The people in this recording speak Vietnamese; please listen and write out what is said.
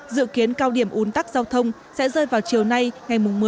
dự kiến cao điểm ủn tắc giao thông sẽ rơi vào chiều nay ngày một mươi